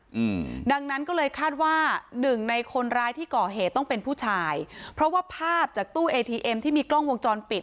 อืมดังนั้นก็เลยคาดว่าหนึ่งในคนร้ายที่ก่อเหตุต้องเป็นผู้ชายเพราะว่าภาพจากตู้เอทีเอ็มที่มีกล้องวงจรปิด